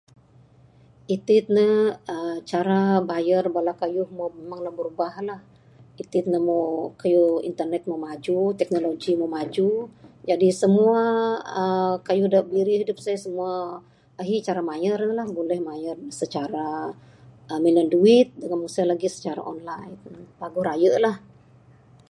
Iti ne uhh cara bayar bala keyuh meh birubah lah, iti ne moh keyuh internet moh maju teknologi moh maju jadi semua uhh keyuh dak birih dep seh semua ahi cara mayar ne lah buleh mayar secara minan uhh duit dengan mung seh legi cara online paguh raye lah.